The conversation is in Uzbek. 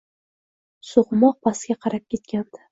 So`qmoq pastga qarab ketgandi